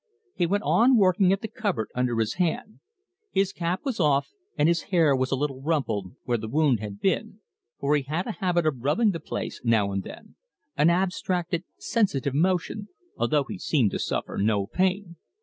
He went on working at the cupboard under his hand. His cap was off and his hair was a little rumpled where the wound had been, for he had a habit of rubbing the place now and then an abstracted, sensitive motion although he seemed to suffer no pain.